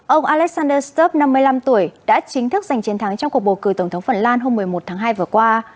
ông alexander stub năm mươi năm tuổi đã chính thức giành chiến thắng trong cuộc bầu cử tổng thống phần lan hôm một mươi một tháng hai vừa qua